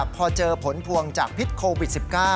พอเจอผลพวงจากพิษโควิด๑๙